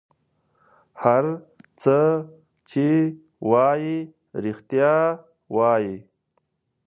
هر څه چې وایي رېښتیا وایي.